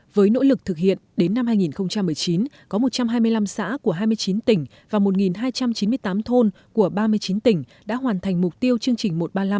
với nỗ lực thực hiện đến năm hai nghìn một mươi chín có một trăm hai mươi năm xã của hai mươi chín tỉnh và một hai trăm chín mươi tám thôn của ba mươi chín tỉnh đã hoàn thành mục tiêu chương trình một trăm ba mươi năm